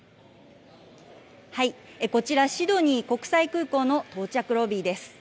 こちら、シドニー国際空港の到着ロビーです。